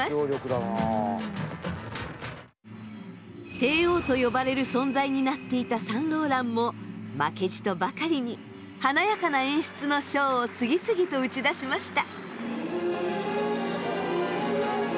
帝王と呼ばれる存在になっていたサンローランも負けじとばかりに華やかな演出のショーを次々と打ち出しました。